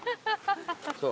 そう？